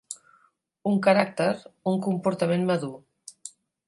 Un caràcter, un comportament madur.